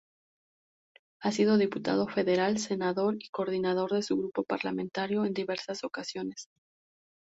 Ha sido diputado federal, senador y coordinador de su grupo parlamentario en diversas ocasiones.